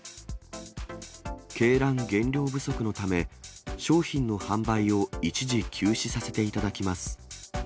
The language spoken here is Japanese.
鶏卵原料不足のため、商品の販売を一時休止させていただきます。